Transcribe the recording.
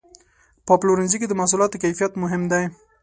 په پلورنځي کې د محصولاتو کیفیت مهم دی.